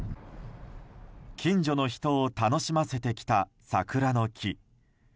近所の人を楽しませてきた桜の木。